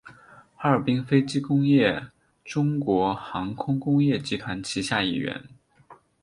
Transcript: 哈尔滨飞机工业中国航空工业集团旗下一员。